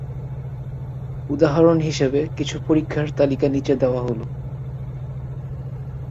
উদাহরণ হিসেবে কিছু পরীক্ষার তালিকা নিচে দেওয়া হলো।